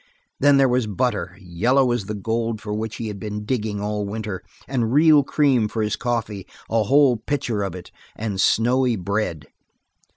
Then there was butter, yellow as the gold for which he had been digging all winter, and real cream for his coffee a whole pitcher of it and snowy bread.